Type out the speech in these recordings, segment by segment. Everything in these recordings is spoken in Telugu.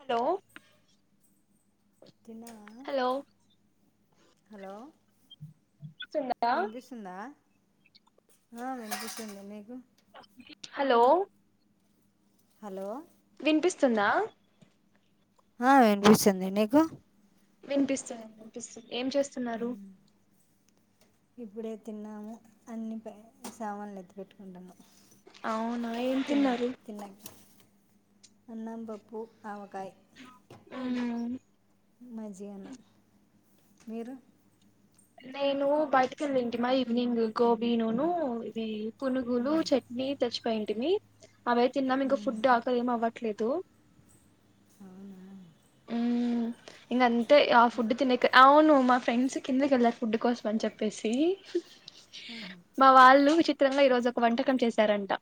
హలో తన్న హలో హలో స్తుందా వినిపిస్తుందా హా వినిపిస్తుంది హలోలో హలో వినిపిస్తుందా ఆ వినిపిస్తుంది నీకు వినిపిస్తుందిం వినిపిస్తుంది ఏం చేస్తున్నారు ఇప్పుడే తిన్నాము అన్ని సామాన్లు ఎత్తు పెట్టుకుంటున్నాము అవునా ఏం తిన్నారు అన్నాంబప్పుూ హాం మజిగ అన్నం నేను బయటికి వెళ్ళ ఏంటి మా ఈవినింగ్ గోబీ నూన ఇది పుణుగులు చట్నీ తెచ్చిపోయింటిమి అవే తిన్నా ఇంక ఫుడ్ ఆకలి ఏమి అవ్వ ఇట్లే తూ అవునా ఇక అంతే ఆ ఫుడ్ తినేక అవును మా ఫ్రెండ్స్ కిందకి వెళ్ళారు ఫుడ్ కోసం అని చెప్పేసి ఆహా మా వాళ్ళు వి చిత్రంగా ఈరోోజు ఒక వంటకం చేశారంట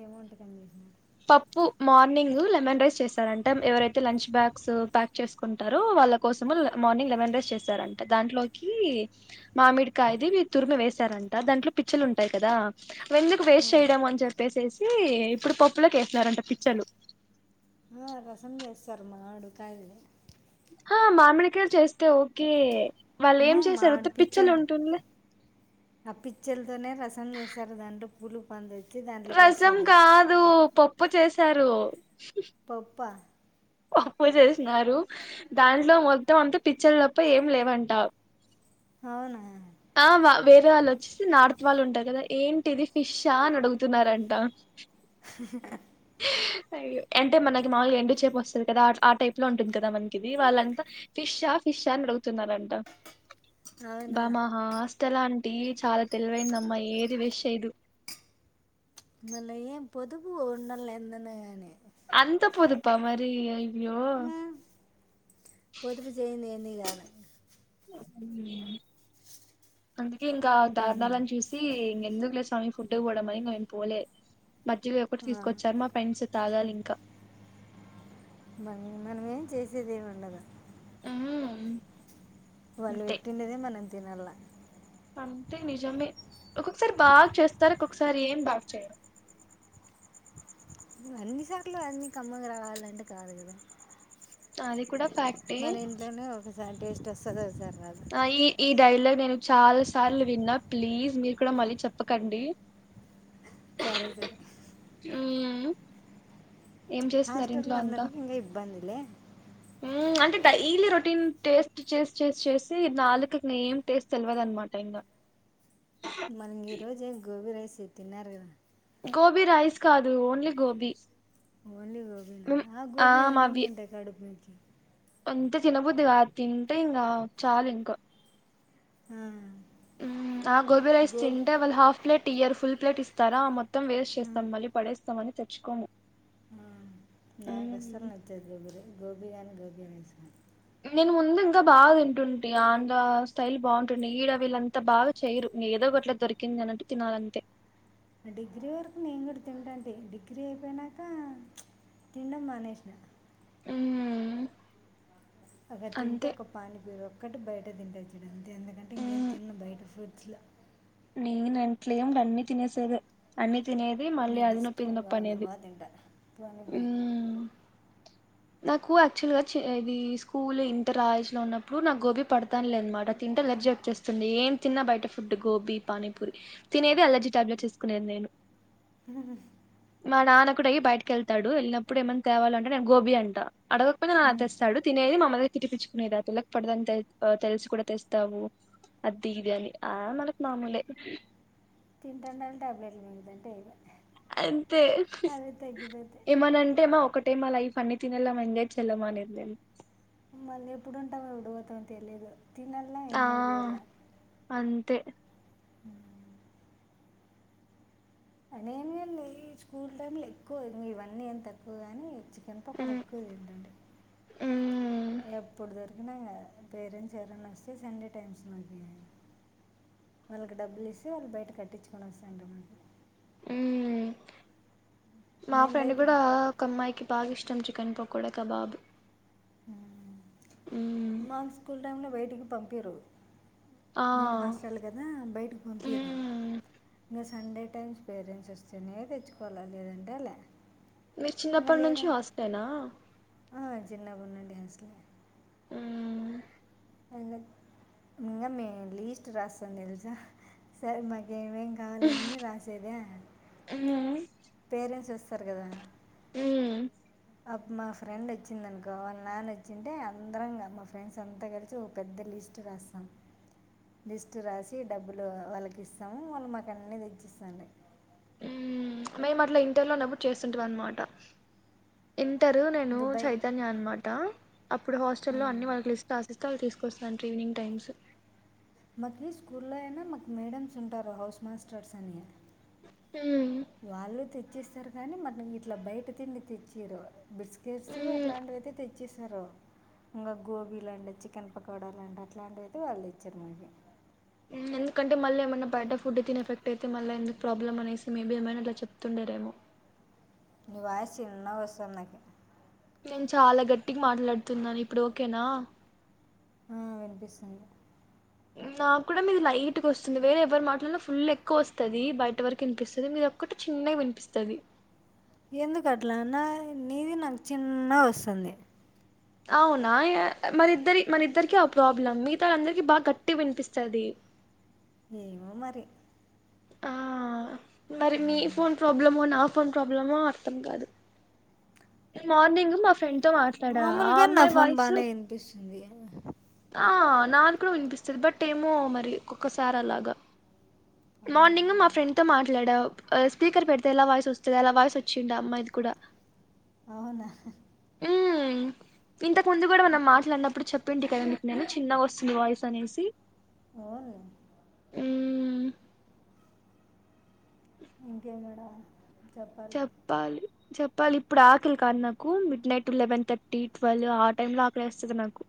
ఏం వంటకం చేశారు అంత పప్పు మార్నింగ్ లెమన్ రైస్ చేస్తారంట ఎవరైతే అయితే లంచ్ బ్యాగ్స్ ప్యాక్ చేసుకుంటారు వాళ్ళ కోసం మార్నింగ్ లెవెన్ రేస్ చేశారంటే దాంట్లోకి మామిడికాయది మీరు తురిమి వేసారంట దాంట్లో పిచ్చలు ఉంటాయి కదా ఎందుకు ఆ, వేస్ట్ చేయడం అని చెప్పేససి ఇప్పుడు పప్పులోకి వేసినారంట పిచ్చలు ఆ రసం చేస్తారు మాడు కాయలే ఆ మామిడికాారు చేస్తే ఓకే వాళ్ళు ఏం ఆహా, చేశారు మామిడి త పిచ్చి పిచ్చలు ఉంటాయి ఉంటుండలే ఆ పిచ్చలతోనే రసం చేస్తారు దాంట్లో పులు పందచ్చ రజం కాదు పప్పు చేసారు పప్పా అప్పు చేసినారు దాంట్లో మొత్తంమంత పిచ్చలు తప్ప ఏం లేవంటారు అవునా ఆ వేరే వాళ్ళు వచ్చేసి నార్త్ వాళ్ళు ఉంటారు కదా ఏంటిది ఫిష్ా అని అడుగుతున్నారంట అంటే మనకి మామూలుగా ఎండు చేే వస్తుంది కదా ఆ టైప్ లో ఉంటుంది కదా మనకి ఇది వాళ్ళంతా ఫిష్ షాన్ అడుగుతున్నారంట అవునా బామా ఆస్టలాంటి చాలా తెలివైందమ్మా ఏది విష ఇదు ఇల ఏ పొదుపు ఉన్నాళ్ ఎంతనే అంత పోదుపా మరి అయ్యో పొదుపు చెయంది ఏన్ని కాను అందుకే ఇంకా ఉమ్, దారుణాలను చూసి ఇంకెందుకు లే ఫుడ్ కూడా మని మేము పోలే మధ్య ఒకటి ఆ, తీసుకొచ్చారు మా ఫండ్స్ తాగాలి ఇంకా భ మనం ఏం చేసేదిేమిండద ఆ వాళ్ళు పెట్టిండేదే మనం తినాల అంతె నిజమే ఒక్కొక్సారి బాగ్ చేస్తారు ఒక్కొక్సారేం బాగ్ చేయరు అన్ని సార్లు అన్నీ కమ్మగ రావాలంటె కాదు గద అది కుడ ఫ్యాక్ట్యే సార్ టేస్ట్వొస్తదా సార్ ఆఁ ఈ ఈ డైలగ్ నేను చాల సార్లు విన్నా ప్లీజ్ మీర్కుడ మళ్ళీ చెప్పకండీ జరె జరే ఉవ్ హాస్టల్లో ఉన్నోళ్ళికి ఇంగ ఇబ్బందిలే ఊఁ అంటె డైలి రొటీన్ టేస్ట్ చేస్ చేస్ చేసీ నాలుకక్ నేం టేస్ట్ తెలివదన్మాట ఇంగ మనింగ్ ఈ రోజేం గోబీ రైస్ తిన్నారు గద గోబీ రైస్ కాదూ ఓన్లి గోబీ ఓన్లీ గోబీనా ఆ గోబీ ఎన్నినింటయ్ కడుపు నుంచి అంత తినబుద్ది గాద్ తింటె ఇంగా చాలింక ఆఁ ఊఁ ఆ గోబీ రైస్ తింటే వాళ్ హాఫ్ ప్లేట్ ఇయ్యర్ ఫుల్ ప్లేట్ ఇస్తారా మొత్ మొత్తం వేస్ట్ చేస్తం మళ్ళి పడేస్తమని తెచ్కొము నా కస్సల్ నచ్చది గోబీలు గోబీ గాని గోబీ రైస్ గాని నేను ముందు ఇంక బా తింటుంటి ఆంధ్రా స్టైల్ బావుంటుండె ఈడ వీళ్ళంత బాగ చేయ్రు ఏదో ఒకట్లె దొరికిందినట్టు తినాలంతే డిగ్రీ వరకు నేం గుడ తింటాంటి డిగ్రీ ఐపోయ్ నాక తిండమ్ మానేేష్న ఊఁ అక్కడ్ తింటే ఒక పాని పీరో ఒకటి బయట తింటేచ్చడం అంతే అంతకంటే ఇంగేం తిన్లేం బయ్ట ఫ్రూట్స్లో నేనంట్లేం డన్నీ తినేసేదే అన్ని తినేదీ మళ్ళీ నాకు అదినొప్పి ఇష్టం బాగా ఇదినొప్పనేది బాగా తింటా పానీపూరి ఊఁ నాకూ యాక్చుల్ గా చే ఇవీ స్కూలు ఇంటర్ ఆయేజ్ లో ఉన్నప్పుడు నాక్ గోబీ పడతాన్లే అన్మాట తింటే లేప్ ర్జీ వచ్చేస్తుంది ఏం తిన్నా బయట ఫుట్టు గోబీ పానీపూరి తినేది అలర్జీ టాబ్లెట్స్ ఏస్కునేది నేను ఒక్కడై బైటి కెళ్తాడు ఎళ్ళినప్పుడు ఏమన్న తేవాల అంటే నేన్ గోబీ అంట అడగకపోయిన తెస్తాడు తినేది మా అమ్మ తిట్టిపిచ్చుకునేద ఆ పిల్లకు పడ్దని తెల్ తెల్సి కుడ తెస్తావు. అద్దీ [unintelligible] ని ఆ మనకు మామూలే. తింటండ [unintelligible] టాబ్లెట్ మింగుతంటే ఐప్యా. అంతే తగ్గిపోతాయి ఏమనంటే మా ఒకటే మా లైఫ్ అన్ని తినాలమ్మ ఎంజాయ్ చేయాలమ్మ అనేది నేన్. మళ్లి ఎప్పుడుంటాం, ఎప్పుడు పోతాం తెలీదు తినా. ఆ అంతే ఆ నేను గాని లే, స్కూల్ టైమ్ లో ఎక్కువ ఇవన్నీ ఏం తక్కువ గాని. చికెన్ పకోడా ఉమ్ ఎక్కువ తింటాటి ఉమ్ ఎప్పుడ్ దొరికిన, ఇంగ పేరెంట్స్ ఎవరన్న వస్తే సండే టైమ్స్ మాకీ. వాళ్లకు డబ్బులు ఇస్తే వాళ్ళు బయట కట్టించుకుని వస్తాండ్రి మాకి. ఊ మా మేము ఫ్రెండ్ బయట గుడా ఒక అమ్మాయ్ కి. బాగ ఇష్టం చికన్ పకోడ, కబాబు హు మాక్ స్కూల్ టైమ్ంలో బైటికి పంపీరు. ఆ మేం హాస్టల్ గదా బైటికి పంపిరు మ్మ్ [unintelligible] సండే టైమ్స్ పేరెంట్స్ వస్తేనే తెచ్చుకోవాల లేదంటే లా. మీరు చిన్నప్పటి నుంచి హాస్టల్ ఏనా. ఆ చిన్నప్పటి నుంచి హాస్టల్ ఏ మ్మ్ [unintelligible] ఇంగా మేం లీస్ట్ రాస్తాం తెలుసా! సార్ మాకి. ఏమేం కావాలన్నీ రాసేద మ్మ్ పేరెంట్స్ వస్తారు కదా! మ్మ్ అప్ మా ఫ్రెండ్ వచ్చింది అనుకో, వాళ్ల నాన్న వచ్చింటే అందరం గా మా ఫ్రెండ్స్ అంతా కలిసి ఒక పెద్ద లి. స్ట్ రాసం లిస్ట్ రాసి డబ్బులు వాళ్ళకి ఇస్తాము, వాళ్ళు మాకు అన్ని తెచ్చిస్తాండే. మ్మ్ మేము అట్లా ఇంటర్లోనప్పుడు చేస్తుంటివి ఆన్మాట. ఇంటరు నేను ఇంకా బై చైతన్య అన్ మాట, అప్పుడు ఆ. హాస్టల్ లో అన్ని వాళ్కి లిస్ట్ రాసిస్తే తీసుకు. వస్సాంటి ఈవినింగ్ టైమ్స్ మాకి స్కూల్లో అయినా మాకు మేడమ్స్ ఉంటారు. హౌస్ మాస్టర్స్ అని, మ్మ్ వాళ్ళు తెచ్చిస్తారు కానీ మనకిట్లా బయట తిండి తెచ్చిరు. బిస్కెట్స్ మ్మ్ అట్లాంటివైతే తెచ్చిస్తారు. ఇంగా గోబీలంట, చికెన్ పకోడాలంట అట్లాంటివైతే వాళ్ళు తెచ్చిరు మనకి. మ్మ్ ఎందుకంటే మళ్ళీ ఏమన్నా బయట ఫుడ్ తిని ఎఫెక్ట్ అయితే, మల్ల ఎందుకు ప్రాబ్లమ్ అనేసి మేబీ ఏమైనా అట్లా చెప్తుండే. రెమో నీ వాయిస్ చిన్న వస్సది నాకి. నేను చాలా గట్టికి మాట్లాడుతున్నాను ఇప్పుడు ఓకేనా. ఆ వినిపిస్తుంది నాకు కూడా మీది లైట్గా వస్తుంది, వేరే ఎవరు మాట్లాడినా ఫుల్ ఎక్కువ వస్తది. బయట వరకు వినిపిస్తుంది మీర. ఒకటి చిన్నగా వినిపిస్తది ఎందుకట్లా నాది నీది నాకు చిన్న వస్తాంది. అవునా [inaudible] మరిద్దరి, మనిద్దరికి ఆ ప్రాబ్లం మిగతా అందరికి బాగా గట్టి వినిపిస్తది. ఏమో మరి ఆ మరి ఆ, మీ ఫోన్ ప్రాబ్లమో, నా ఫోన్ ప్రాబ్లమో అర్థం కాదు. మార్నింగ్ మా ఫ్రెండ్ తో మాట్లాడా ఆ మామూలుగా నా అమ్మాయి ఫోన్ వాయిస్సు. బాగానే వినిపిస్తుంది ఆ నాది కూడా వినిపిస్తది బట్ ఏమో, మరి ఒకోక్కసారి అలాగా. అవునా మార్నింగ్ మా ఫ్రెండ్ తో మాట్లాడావ్ ఆ స్పీకర్ పెడితే ఎలా వాయిస్ వస్తది, అలా వాయిస్ వచ్చిండ ఆ అమ్మాయిది కూడా. అవునా మ్మ్ ఇంతకు ముందు కూడా మనం మాట్లాడినప్పుడు చెప్పింటి కద మీకు నేను చిన్నగా వస్తుంది వాయిస్ అనేసి ఆ మ్మ్ ఇంకే మేడం చెప్పాలి చెప్ ఇళ్ళ ఇప్పుడు ఆకలి కాదు నాకు midnight eleven thirty twelve ఆ టైమ్ లో ఆకలివేస్తుంది నాకు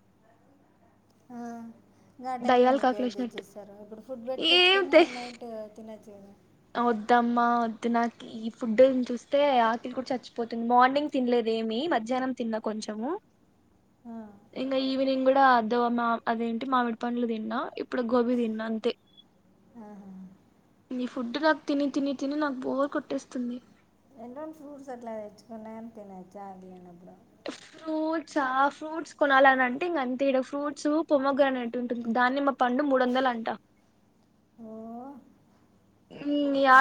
ఆ ఇంకా ఆ టైం లో దయ్యాలకి నీకు ఎవరు ఆకలేసినట్టు తెచ్చిస్తారు ఇప్పుడు ఫుడ్ ఏం పెట్టుకొచ్చుకొని తె నైట్ తినొచ్చు కద వద్దమ్మా వద్దు నాకీ ఈ ఫుడ్ చూస్తే ఆకలి కూడా చచ్చిపోతుంది మార్నింగ్ తినలేదు ఏమి మధ్యాహ్నం తిన్న కొంచము ఆ, ఇం ఈవినింగ్ కూడా డ దో మా అదేంటి మామిడి పండ్లు తిన్నా ఇప్పుడు గోబీ తిన్నా అంతే మ్ హు ఈ ఫుడ్ నాకు తిని తిని తిని నాకు బోర్ కొట్టేస్తుంది ఏంట ఫ్రూట్స్ అట్లా తెచ్చుకున్న గాని తినరు జాగలేని అబ్డా ఫ్రూట్స్ ఫ్రూట్స్ కొనాలి అని అంటే ఇంకా అంతే ఇడ ఫ్రూట్స్ ప్రొముగ్రనేట్ ఉంటుంది దాన్నిమ్మ పండు మూడు వందలంట ఓ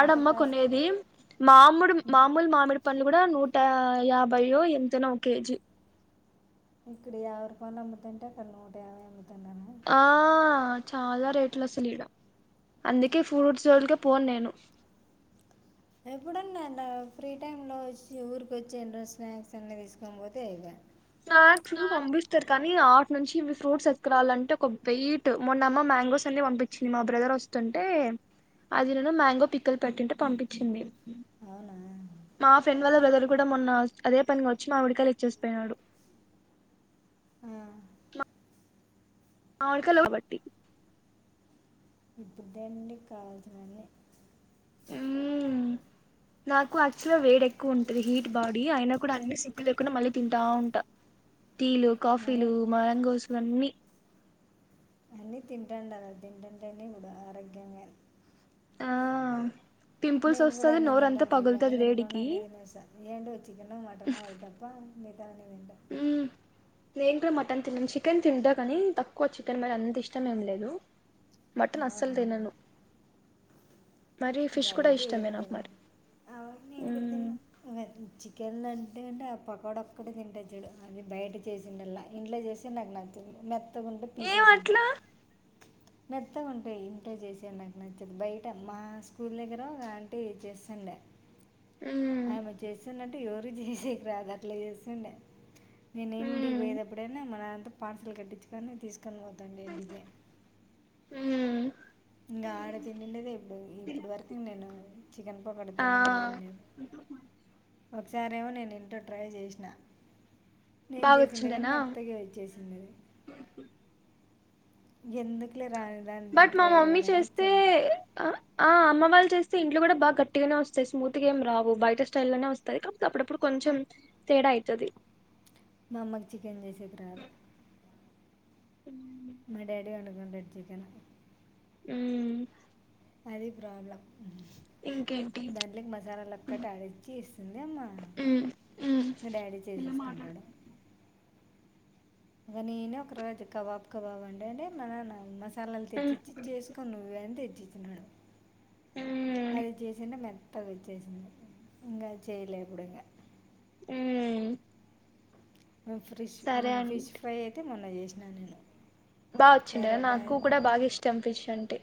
అంత కాస్ట్ కొనేది మామిడు మామూలు మామిడి పళ్ళు కూడా నూట యాభైయో ఎంతనో కేజీ ఇక్కడ యాభై రూపాయలు అమ్ముతుంటే అక్కడ నూట యాభై అమ్ముతున్నారు ఆ చాలా రేట్లు అసలు ఈడ అందుకే ఫ్రూట్ జోల్కె పోను నేను ఎప్పుడున్నా అలా ఫ్రీ టైమ్ లో వచ్చి ఊరికొచ్చి ఏడ్రో స్నాక్స్ అన్ని తీసుకని బోతే అ స్నాక్స్ పంపిస్తారు కా నీ ఆటు నుంచి ఫ్రూట్స్ ఎత్కురాల అంటే ఒక వెయిట్ మొన్న అమ్మ మ్యాంగోస్ అన్ని పంపించింది మా బ్రదర్ వస్తే అంటే అది నేను మ్యాంగో పిక్కలు పెట్టింటే పంపించింది అవునా మా ఫ్రెండ్ వాళ్ల బ్రదర్ కూడా మొన్న అదే పనిగ వచ్చి మావిడికాయలు ఇచ్చేసిపోయినాడు. ఆ, మావిడికాయలు కాబట్టి ఇప్పుదే అండి కావాల్సినన్ని మ్మ్ నాకు యాక్చువల్ గా వేడ్ ఎక్కువ ఉంటది హీట్ బాడీ అయినా కూడా అన్ని సిగ్గు లేకుండా మళ్ళీ తింటా ఉంటా టీలు కాఫీలు మామూలు మ్యాంగోస్ ఇవన్నీ అన్నీ తింటూ ఉండలా తింటంటేనే గూడ ఆరోగ్యంగాని ఆ పింపుల్స్ నేను కూడా వస్తది అన్ని నోరంతా తింటాను ఇవన్నీ పగులుతది తినకుండ వేడికి అన్ని తినేసా ఏంటో చికెన్ మటన్ అవి తప్ప దాన్ని తింటా మ్మ్ నేను కూడా మటన్ తిన్నను చికెన్ తింటా కానీ తక్కువ చికెన్ మరి అంత ఇష్టం ఏం లేదు మటన్ అసలు అవునా తినను మరి ఇంకా ఫిష్ అవి కూడా అయితే ఇష్టమే ఏమి నాకు మరి తినను అవన్నీ నేను కూడా దిన్ను వంచి కేందంటే అంటే ఆ పకోడ ఒకటే తింట చూడు అది బయట చేసిండలా ఇంట్లో చేసి నాకు నచ్చదు మె త్తగ ఉంటయ్ ఏం పీసెసు అట్లా మెత్తగా ఉంటాయి ఇంట్లో చేసేవి నాకు నచ్చదు బయట మా స్కూల్ దగ్గర ఒక ఆంటి చేస్తాను ఉండే ఉమ్, ఆమె చేసింది దంటే ఎవరు చేసేకి రాదు అట్లా చేస్తుండే నేను ఇంటికి ఉమ్, పోయేదప్పుడైనా మా న్నాన తో పార్సల్ కట్టించుకని తీసుకొని పోతాంట ఇంటికి హ్మ్ ఇంకా ఆడ తినిండిదే ఎప్పుడు ఇప్పుడు వరకు నేను చికెన్ పకోడ ఆ తినింది ఏం లేదు ఒకసారేమో నేను ఇంటో ట్రై చేసినా నేం బాగా చేసిండే కానీ వచ్చిండేనా మెత్తగాచ్చేసిండే ఎందుకులే రా బట్ మా మమ్మీ చేస్తే ఆ ఆమ్మ వాళు చేస్తే ఇంట్లో కూడా బా గట్టిగానే వస్తయి స్మూత్ గా ఏం రావు బయట స్టైల్లో లోనే వస్తయి కాపోతే అప్పుడప్పు కొంచం తేడాయితది మా అమ్మకి చికెన్ చేసేకి రాద్ ఉమ్ మ డాడీ వండుకుంటాడు చికన్ ఉమ్ అది ప్రాబ్లమ్ ఇంకేంటి దాంట్లోకి ఉమ్, మసాలాలోక్కటి ఆడిచ్చి ఇస్తది అమ్మా ఉమ్. ఇకా డాడీ పిల్ల చేసేసుకుంటాడు మాట్లాడుతుంది ఇంగ నేనే ఒక రోజు కబాబ్ కబాబ్ అంటంటే మా నాన్న మస్ చల్లలు తెచ్చిచ్చి చేసుకుని నువ్వు అని తెచ్చిచ్చన్నాడు అది చేసిన మెత్ అది వచ్చేసింది ఇంకా చేయలేప్పుడు ఇంకా ఉమ్ ఉమ్ ఫ్రిష్ ఫిష్ ఫ్రై అయితే మొన్న చేసినా నేను బాగా వచ్చిండ సరే బాయ్ నాకు కూడా బాగా ఇష్టం ఫిష్ అంటే